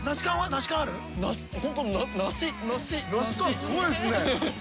梨感すごいですね。